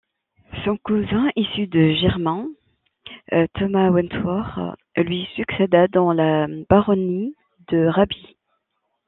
Son cousin issu de germain, Thomas Wentworth, lui succéda dans la baronnie de Raby.